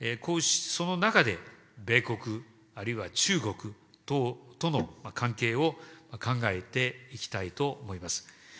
その中で、米国、あるいは中国等との関係を考えていきたいと思います。